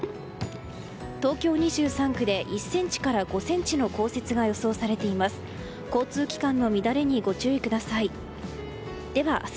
東京２３区で１ｃｍから５ｃｍの降雪が予想されています。